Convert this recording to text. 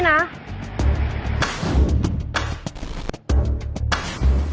อัดคลิปไว้นะ